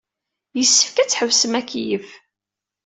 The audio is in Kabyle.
Yessefk ad tḥebsem akeyyef.